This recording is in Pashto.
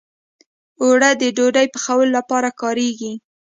اوړه د ډوډۍ پخولو لپاره کارېږي